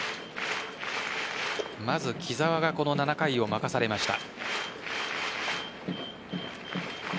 まず木澤がこの７回を任されました。